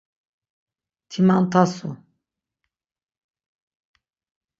Ti mantasu.